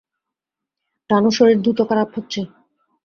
রানুর শরীর দ্রুত খারাপ হচ্ছে।